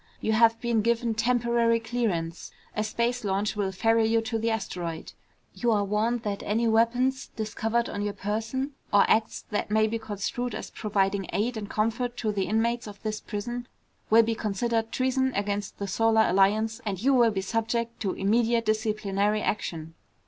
"You have been given temporary clearance. A space launch will ferry you to the asteroid. You are warned that any weapons discovered on your person, or acts that may be construed as providing aid and comfort to the inmates of this prison, will be considered treason against the Solar Alliance and you will be subject to immediate disciplinary action."